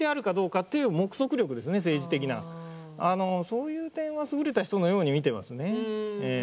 そういう点は優れた人のように見てますね。